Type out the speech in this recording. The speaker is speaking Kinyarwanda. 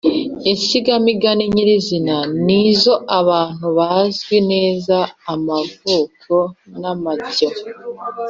insigamigani nyirizina: nizo abantu bazwi neza amavu n’amajyo